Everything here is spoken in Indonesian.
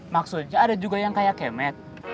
maksudnya ada juga yang kayak kemet